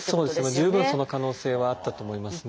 十分その可能性はあったと思いますね。